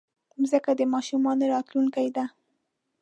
مځکه د ماشومانو راتلونکی ده.